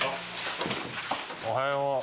おはよう。